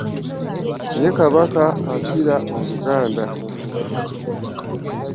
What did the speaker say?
Yye Kabaka akira oluganda.